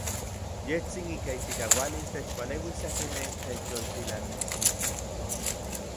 Yejtsin ika ichikaualis techpaleuis akinmej techyoltilanasnekij.